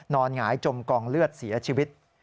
หงายจมกองเลือดเสียชีวิต